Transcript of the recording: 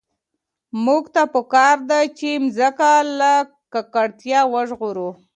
موږ ته په کار ده چي مځکه له ککړتیا وژغورو.